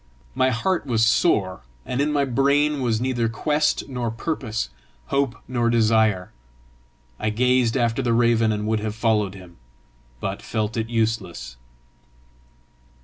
My heart was sore, and in my brain was neither quest nor purpose, hope nor desire. I gazed after the raven, and would have followed him, but felt it useless.